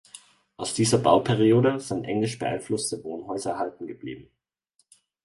Aus dieser Bauperiode sind englisch beeinflusste Wohnhäuser erhalten geblieben.